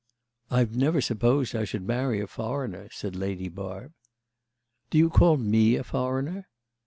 "I've never supposed I should marry a foreigner," said Lady Barb. "Do you call me a foreigner?"